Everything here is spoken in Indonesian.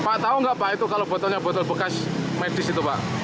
pak tahu nggak pak itu kalau botolnya botol bekas medis itu pak